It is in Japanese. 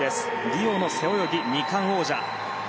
リオの背泳ぎ２冠王者。